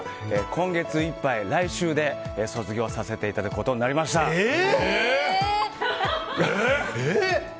今月いっぱい、来週で卒業させていただくことにええ−！